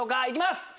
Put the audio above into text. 行きます。